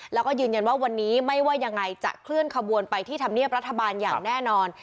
แล้วก็ยืนยันว่าวันนี้ไม่ว่ายังไงจะเคลื่อนขบวนไปที่ธรรมเนียบรัฐบาลอย่างแน่นอน